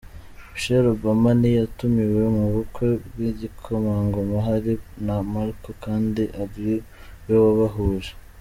Michelle Obama ntiyatumiwe mu bukwe bw’igikomangoma Harry na Markle kandi ariwe wabahuje.